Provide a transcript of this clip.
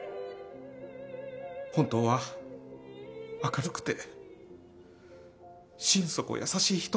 本当は明るくて心底優しい人なんです。